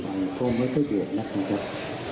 ไปก็ไม่เท่อยก่อนล่ะนะครับ